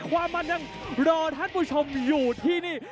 ความมันยังรอท่านผู้ชมอยู่ที่นี่